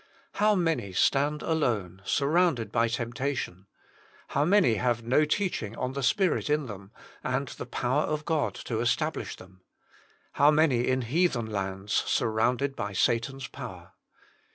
How many stand alone, surrounded by temptation ; how many have no teaching on the Spirit in them, and the power of God to establish them ; how many iu heathen lands, surrounded by Satan s power.